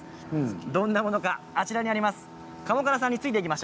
どんなものか、あちらにあります。